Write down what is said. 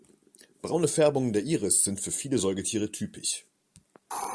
Braune Färbungen der Iris sind für viele Säugetiere typisch.